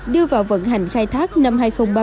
đưa vào vận hành khai thác năm hai nghìn ba mươi